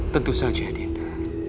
tentu saja dinda